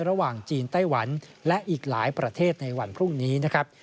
ระหว่างจีนไต้หวันและอีกหลายประเทศในวันพรุ่งนี้นะครับ